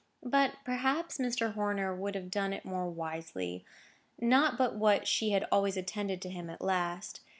But, perhaps, Mr. Horner would have done it more wisely; not but what she always attended to him at last.